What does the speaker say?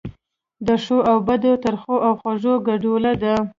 د ښو او بدو، ترخو او خوږو ګډوله ده.